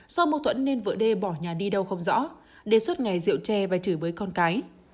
do mâu thuẫn nên vợ đê bỏ nhà đi đâu không rõ đê suốt ngày rượu tre và chửi với con cái